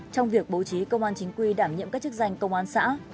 trong việc bố trí công an chính quy đảm nhiệm các chức danh công an xã